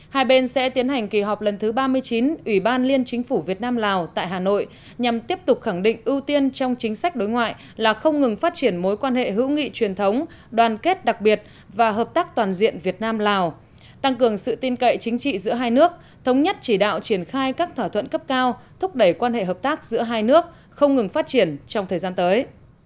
hai bên sẽ tiến hành kỳ họp lần thứ ba mươi chín ủy ban liên chính phủ việt nam lào tại hà nội nhằm tiếp tục khẳng định ưu tiên trong chính sách đối ngoại là không ngừng phát triển mối quan hệ hữu nghị truyền thống đoàn kết đặc biệt và hợp tác toàn diện việt nam lào tăng cường sự tin cậy chính trị giữa hai nước thống nhất chỉ đạo triển khai các thỏa thuận cấp cao thúc đẩy quan hệ hợp tác giữa hai nước không ngừng phát triển trong thời gian tới